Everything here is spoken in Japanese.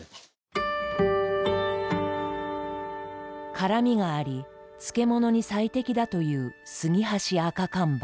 辛みがあり漬物に最適だという杉箸アカカンバ。